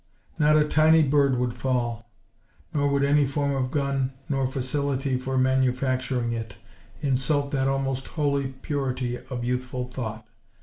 Not a tiny bird would fall; nor would any form of gun nor facility for manufacturing it, insult that almost Holy purity of youthful thought.